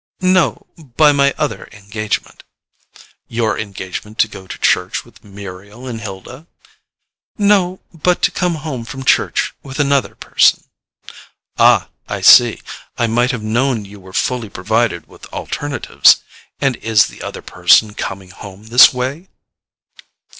"No; by my other engagement." "Your engagement to go to church with Muriel and Hilda?" "No; but to come home from church with another person." "Ah, I see; I might have known you were fully provided with alternatives. And is the other person coming home this way?"